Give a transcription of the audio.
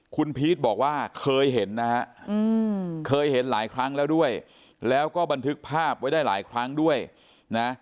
คุณพีชบอกว่าเคยเห็นนะฮะเคยเห็นหลายครั้งแล้วด้วยแล้วก็บันทึกภาพไว้ได้หลายครั้งด้วยนะ